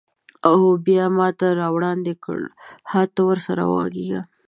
او بیا یې ماته راوړاندې کړ: هه، ته ورسره وغږیږه.